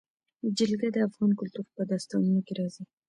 جلګه د افغان کلتور په داستانونو کې راځي.